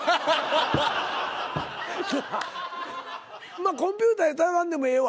まあコンピューターで出さんでもええわ。